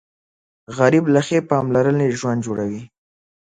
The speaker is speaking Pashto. غریب له ښې پاملرنې ژوند جوړوي